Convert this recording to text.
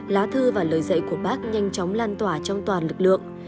lá thư và lời dạy của bác nhanh chóng lan tỏa trong toàn lực lượng